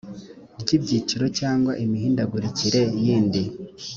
ry ibiciro cyangwa imihindagurikire yindi